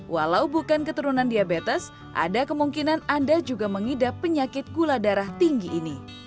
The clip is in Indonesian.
walau bukan keturunan diabetes ada kemungkinan anda juga mengidap penyakit gula darah tinggi ini